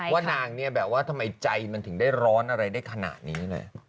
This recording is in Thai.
ว่านางเนี่ยแบบว่าทำไมใจมันถึงได้ร้อนอะไรได้ขนาดนี้เลย